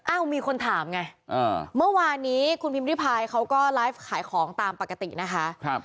มีคนถามไงเมื่อวานนี้คุณพิมพิพายเขาก็ไลฟ์ขายของตามปกตินะคะ